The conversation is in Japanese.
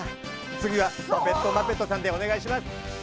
次はパペットマペットさんでお願いします。